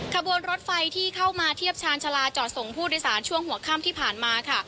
ขบวนรถไฟที่เข้ามาเทียบชาญชาลาจอดส่งผู้โดยสารช่วงหัวค่ำที่ผ่านมาค่ะ